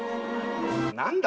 何だ？